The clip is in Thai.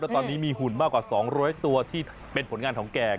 ตอนนี้มีหุ่นมากกว่า๒๐๐ตัวที่เป็นผลงานของแก